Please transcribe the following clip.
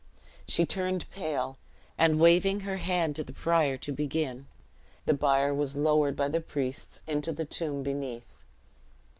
She turned pale; and waving her hand to the prior to begin, the bier was lowered by the priests into the tomb beneath.